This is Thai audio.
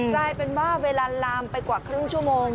ถ้าเวลาลามไปกว่าครึ่งชั่วโมง